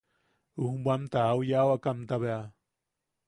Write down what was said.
Ujbwanta au yaʼawakamta bea.